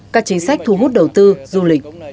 các chính sách thu hút đầu tư du lịch